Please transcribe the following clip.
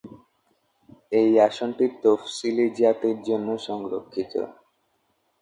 এই আসনটি তফসিলি জাতির জন্য সংরক্ষিত।